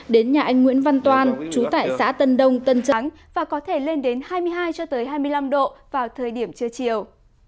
đến nhà anh nguyễn văn toan chú tại xã tân đông tân trắng và có thể lên đến hai mươi hai hai mươi năm độ vào thời điểm trưa chiều